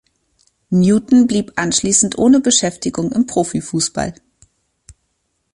Newton blieb anschließend ohne Beschäftigung im Profifußball.